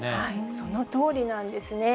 そのとおりなんですね。